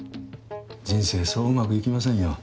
人生そううまくいきませんよ。